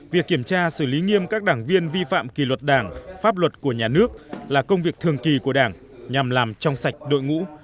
việc kiểm tra xử lý nghiêm các đảng viên vi phạm kỳ luật đảng pháp luật của nhà nước là công việc thường kỳ của đảng nhằm làm trong sạch đội ngũ